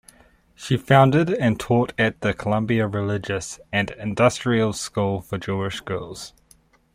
She founded and taught at the Columbia Religious and Industrial School for Jewish Girls.